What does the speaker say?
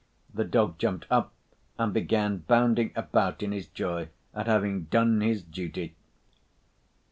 The dog jumped up and began bounding about in his joy at having done his duty.